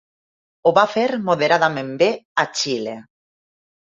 Ho va fer moderadament bé a Xile.